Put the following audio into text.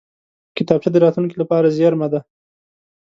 کتابچه د راتلونکې لپاره زېرمه ده